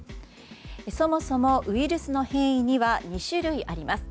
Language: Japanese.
そもそもウイルスの変異には２種類あります。